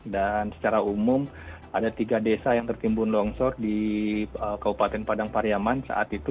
dan secara umum ada tiga desa yang tertimbun longsor di kabupaten padang pariaman saat itu